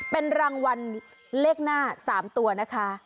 เป็นรางวัลเลขหน้า๓ตัวนะคะ